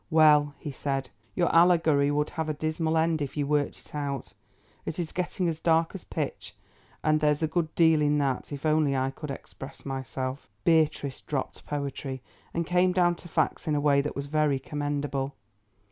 "Well," he said, "your allegory would have a dismal end if you worked it out. It is getting as dark as pitch, and there's a good deal in that, if only I could express myself." Beatrice dropped poetry, and came down to facts in a way that was very commendable.